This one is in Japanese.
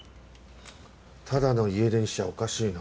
ただの家出にしちゃおかしいな。